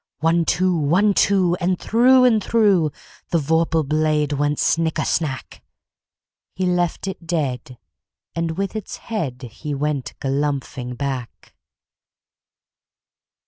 One, two! One, two! And through and throughThe vorpal blade went snicker snack! He left it dead, and with its headHe went galumphing back.